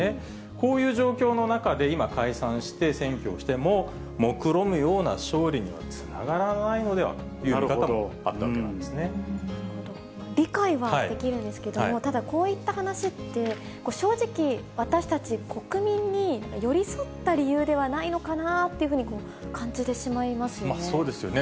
こういう状況の中で今、解散して選挙をしても、もくろむような勝利にはつながらないのではという見方もあったわ理解はできるんですけれども、ただこういった話って、正直、私たち国民に寄り添った理由ではないのかなあと、感じてしまいまそうですよね。